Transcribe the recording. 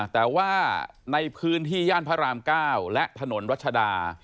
แต่ว่าในพื้นที่ย่านพระราม๙และถนนรัชดา